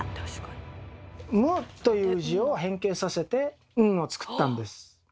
「無」という字を変形させて「ん」を作ったんです。